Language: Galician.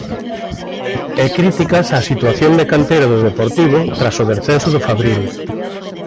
E críticas á situación de canteira do Deportivo tras o descenso do Fabril.